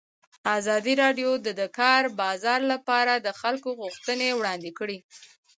ازادي راډیو د د کار بازار لپاره د خلکو غوښتنې وړاندې کړي.